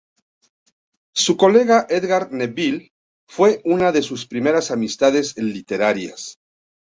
Su colega Edgar Neville fue una de sus primeras amistades literarias.